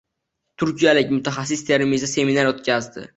Turkiyalik mutaxassis Termizda seminar o‘tkazdi